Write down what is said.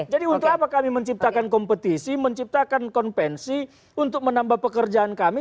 jadi untuk apa kami menciptakan kompetisi menciptakan konvensi untuk menambah pekerjaan kami